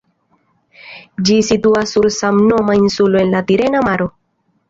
Ĝi situas sur samnoma insulo en la Tirena Maro.